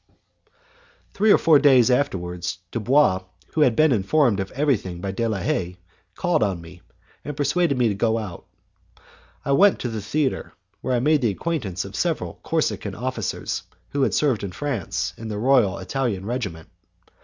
Three or four days afterwards, Dubois, who had been informed of everything by De la Haye, called on me, and persuaded me to go out. I went to the theatre, where I made the acquaintance of several Corsican officers, who had served in France, in the Royal Italian regiment.